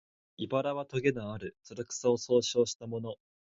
「茨」はとげのある、つる草を総称したもの